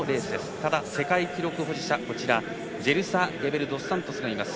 ただ、世界記録保持者ジェルサ・ゲベルドスサントスがいます。